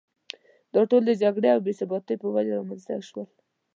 دا ټول د جګړې او بې ثباتۍ په وجه رامېنځته شول.